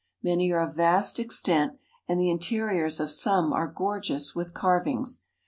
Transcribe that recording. Many are of vast extent, and the interiors of some are gorgeous with carvings.